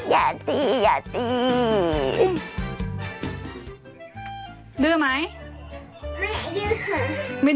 อย่าตีอย่าตี